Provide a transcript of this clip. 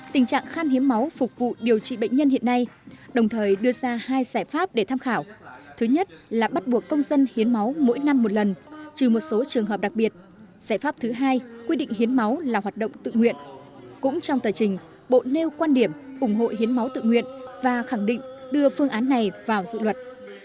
tình trạng khăn hiến máu phục vụ điều trị bệnh nhân hiện nay đồng thời đưa ra hai giải pháp để tham khảo thứ nhất là bắt buộc công dân hiến máu mỗi năm một lần trừ một số trường hợp đặc biệt giải pháp thứ hai quy định hiến máu là hoạt động tự nguyện cũng trong tờ trình bộ nêu quan điểm ủng hộ hiến máu tự nguyện và khẳng định đưa phương án này vào dự luật